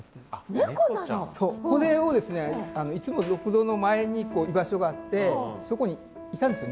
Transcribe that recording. これをですねいつもろくろの前に居場所があってそこにいたんですよ